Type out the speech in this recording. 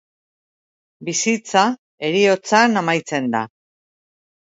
Bizitza heriotzan amaitzen da.